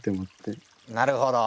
なるほど。